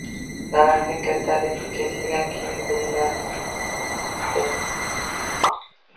Daraxtning kattaligi kesilgandan keyin bilinadi…